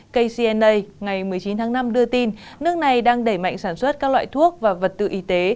kcna ngày một mươi chín tháng năm đưa tin nước này đang đẩy mạnh sản xuất các loại thuốc và vật tư y tế